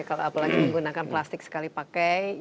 kalau apalagi menggunakan plastik sekali pakai